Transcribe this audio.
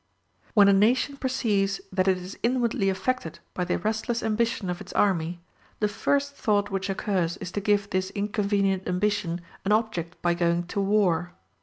When a nation perceives that it is inwardly affected by the restless ambition of its army, the first thought which occurs is to give this inconvenient ambition an object by going to war.